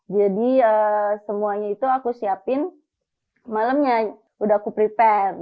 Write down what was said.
jadi semuanya itu aku siapin malamnya udah aku prepare